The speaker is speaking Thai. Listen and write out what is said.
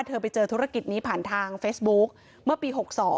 ไปเจอธุรกิจนี้ผ่านทางเฟซบุ๊คเมื่อปี๖๒